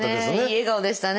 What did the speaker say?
いい笑顔でしたね最後。